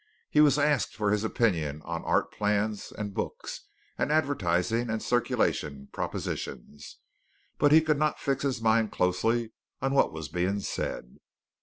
He was asked for his opinion on art plans, and books, and advertising and circulation propositions, but he could not fix his mind closely on what was being said.